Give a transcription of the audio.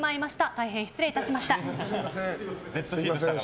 大変失礼しました。